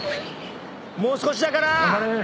もう少しだから！